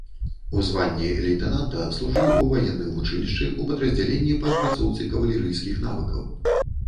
У званні лейтэнанта служыў у ваенным вучылішчы, у падраздзяленні па адпрацоўцы кавалерыйскіх навыкаў.